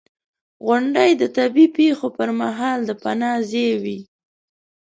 • غونډۍ د طبعي پېښو پر مهال د پناه ځای وي.